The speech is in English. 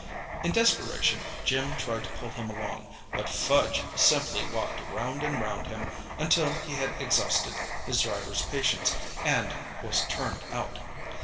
In desperation Jim tried to pull him along, but Fudge simply walked round and round him, until he had exhausted his driver's patience, and was "turned out."